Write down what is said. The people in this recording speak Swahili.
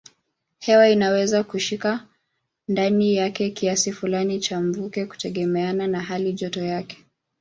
Hewa inaweza kushika ndani yake kiasi fulani cha mvuke kutegemeana na halijoto yake.